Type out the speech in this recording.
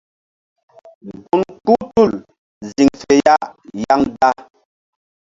Gun kpuh tul ziŋ fe ya yaŋda.